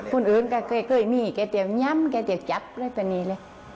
คุณอื่นก็เคยมีเคยเตรียมยำเคยเตรียมจับอะไรแบบนี้เลย